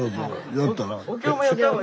やったら？